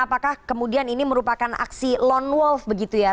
apakah kemudian ini merupakan aksi lone wolf begitu ya